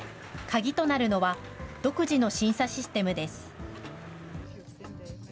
鍵となるのは、独自の審査システムです。